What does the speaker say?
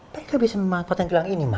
mereka bisa memakotin gelang ini ma